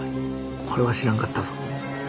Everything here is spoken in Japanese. これは知らんかったぞ。